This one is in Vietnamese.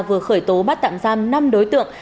vừa khởi tố bắt tạm giam năm đối tượng